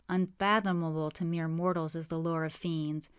Unfathomable to mere mortals is the lore of fiends.